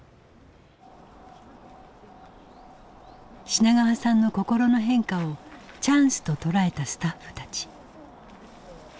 品川さんの心の変化をチャンスと捉えたスタッフたち。